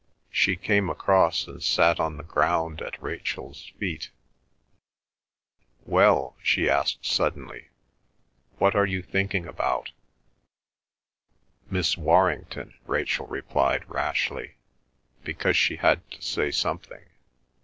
She came across, and sat on the ground at Rachel's feet. "Well?" she asked suddenly. "What are you thinking about?" "Miss Warrington," Rachel replied rashly, because she had to say something.